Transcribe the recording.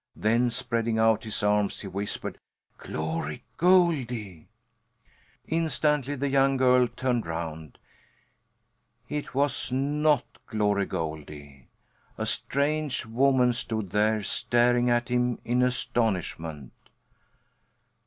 Then, spreading out his arms, he whispered: "Glory Goldie!" Instantly the young girl turned round. It was not Glory Goldie! A strange woman stood there, staring at him in astonishment.